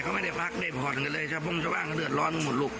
มันพอออกแล้วมันจะตามต้น